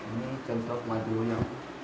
ini contoh madunya